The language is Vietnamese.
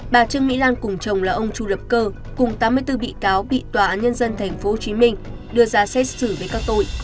bà trương mỹ lan cùng chồng là ông chu lập cơ cùng tám mươi bốn bị cáo bị tòa án nhân dân tp hcm đưa ra xét xử với các tội